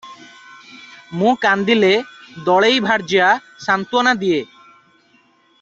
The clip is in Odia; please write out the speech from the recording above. ମୁଁ କାନ୍ଦିଲେ ଦଳେଇ ଭାର୍ଯ୍ୟା ସାନ୍ୱନା ଦିଏ